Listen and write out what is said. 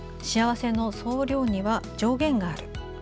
「幸せの総量には、上限がある。」